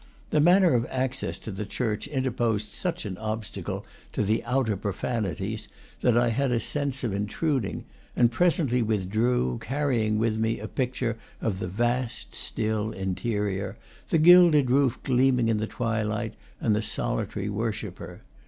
The manner of access to the church interposed such an obstacle to the outer profanities that I had a sense of intruding, and presently withdrew, carrying with me a picture of the, vast, still interior, the gilded roof gleaming in the twilight, and the solitary worshipper.